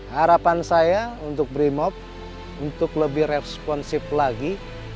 harapan saya untuk brimop untuk lebih responsif lagi